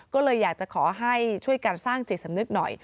ก็เลยอยากจะขอให้ช่วยการสร้างจิตสำนึกหน่อย